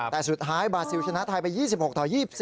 แต่สุดท้ายบาซิลชนะไทยไป๒๖ต่อ๒๔